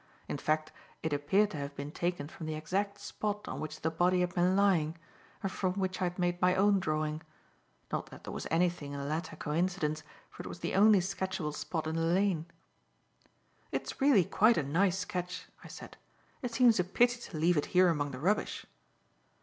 In fact, it appeared to have been taken from the exact spot on which the body had been lying, and from which I had made my own drawing; not that there was anything in the latter coincidence, for it was the only sketchable spot in the lane. "It's really quite a nice sketch," I said; "it seems a pity to leave it here among the rubbish."